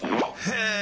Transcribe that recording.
へえ！